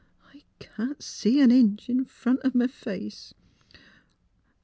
" I can't see an inch in front o' m' face.